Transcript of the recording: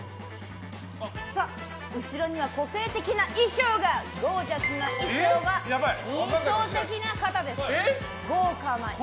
後ろには個性的な衣装がゴージャスな衣装が印象的な方です。